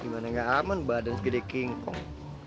gimana gak aman badan segede kingpong